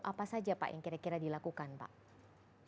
apa saja pak yang kira kira dilakukan pak